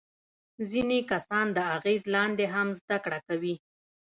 ځینې کسان د اغیز لاندې هم زده کړه کوي.